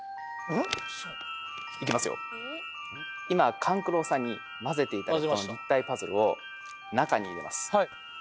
今勘九郎さんにまぜていただいたこの立体パズルを中に入れます。